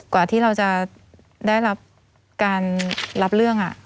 กว่าที่เราจะได้รับการรับเรื่อง